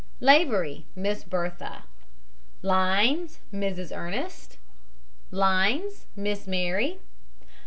LAVORY, MISS BERTHA. LINES, MRS. ERNEST. LINES, MISS MARY.